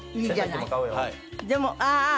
でもああー